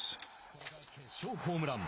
これが決勝ホームラン。